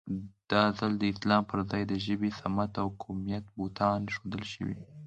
دا ځل د اسلام پر ځای د ژبې، سمت او قومیت بوتان اېښودل شوي.